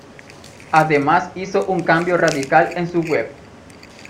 Además hizo un cambio radical en su web.